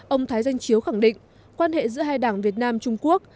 ông thái danh chiếu khẳng định quan hệ giữa hai đảng việt nam trung quốc